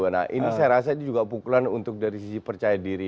nah ini saya rasa ini juga pukulan untuk dari sisi percaya diri